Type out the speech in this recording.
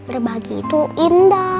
berbagi itu indah